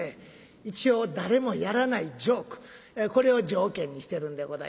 一応誰もやらないジョークこれを条件にしてるんでございます。